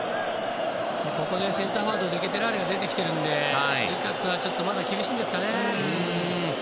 ここでセンターフォワードのデケテラーレが出てきているのでルカクはちょっとまだ厳しいんですかね。